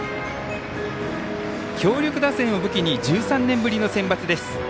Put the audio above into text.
強力打線を武器に１３年ぶりのセンバツです。